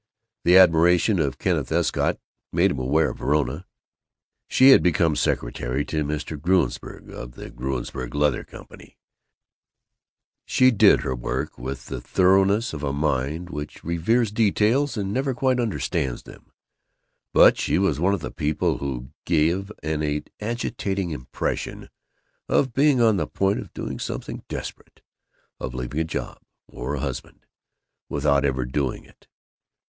The admiration of Kenneth Escott made him aware of Verona. She had become secretary to Mr. Gruensberg of the Gruensberg Leather Company; she did her work with the thoroughness of a mind which reveres details and never quite understands them; but she was one of the people who give an agitating impression of being on the point of doing something desperate of leaving a job or a husband without ever doing it.